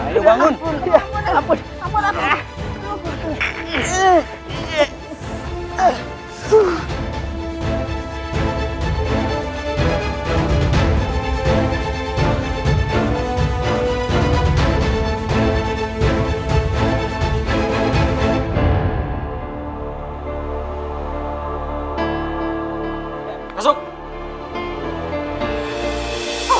jangan lagi membuat onar di sini